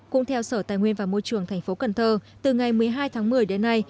cũng theo sở tài nguyên và môi trường tp cn từ ngày một mươi hai tháng một mươi đến nay